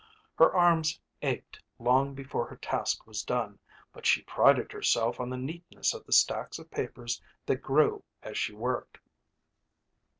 Her arms ached long before her task was done, but she prided herself on the neatness of the stacks of papers that grew as she worked.